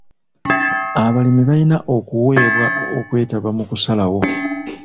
Abalimi bayina obuweebwa okwetaba mu kusalawo.